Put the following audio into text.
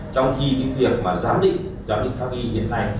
trong khi những việc mà giám định giám định thao ghi hiện nay